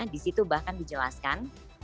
disitu bahkan dijelaskan